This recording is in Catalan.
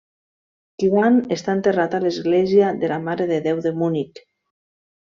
Joan està enterrat a l'Església de la Mare de Déu de Munic.